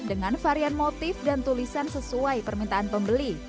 dengan varian motif dan tulisan sesuai permintaan pembeli